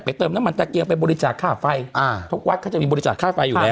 เติมน้ำมันตะเกียงไปบริจาคค่าไฟอ่าทุกวัดเขาจะมีบริจาคค่าไฟอยู่แล้ว